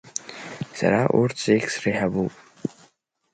Сара урҭ зегь среиҳабуп.